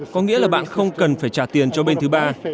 có nghĩa là bạn không cần phải trả tiền cho bên thứ ba